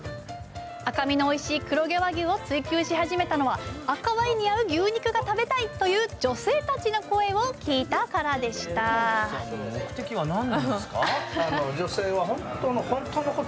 赤身のおいしい黒毛和牛を追求し始めたのは「赤ワインに合う牛肉が食べたい！」という女性たちの声を聞いたからでした尾崎さんの目的は何なんですか？